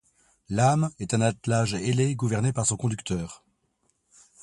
L'âme est un attelage ailé gouverné par son conducteur.